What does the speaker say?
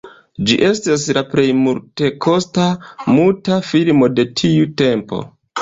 Ĝi estis la plej multekosta muta filmo de tiu tempo.